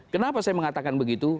kenapa saya mengatakan begitu